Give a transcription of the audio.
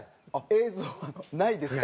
映像はないです。